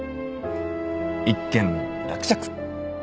一件落着。